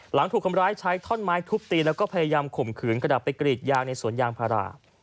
หลังถูกคนร้ายใช้ท่อนไม้ทุบตีแล้วก็พยายามข่มขืนกระดาษไปกรีดยางในสวนยางพารา